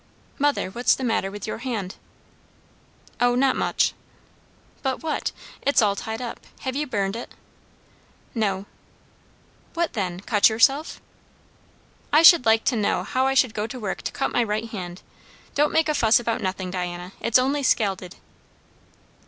"Mother, what's the matter with your hand?" "O, not much." "But what? It's all tied up. Have you burned it?" "No." "What then? Cut yourself?" "I should like to know how I should go to work to cut my right hand! Don't make a fuss about nothing, Diana. It's only scalded."